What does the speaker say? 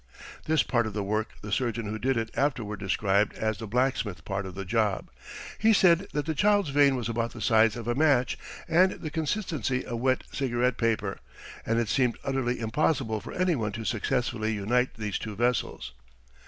"This part of the work the surgeon who did it afterward described as the 'blacksmith part of the job.' He said that the child's vein was about the size of a match and the consistency of wet cigarette paper, and it seemed utterly impossible for anyone to successfully unite these two vessels.